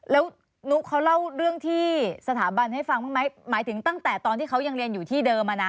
แล้วนุเขาเล่าเรื่องที่สถาบันให้ฟังบ้างไหมหมายถึงตั้งแต่ตอนที่เขายังเรียนอยู่ที่เดิมอ่ะนะ